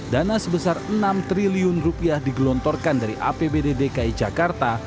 dana sebesar enam triliun rupiah digelontorkan dari apbd dki jakarta